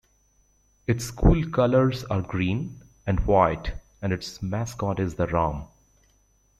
Its school colors are green and white and its mascot is the Ram.